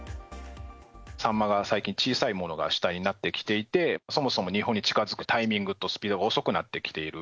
サンマが最近、小さいものが主体になってきていて、そもそも日本に近づくタイミングとスピードが遅くなってきている。